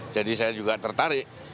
jadi saya juga tertarik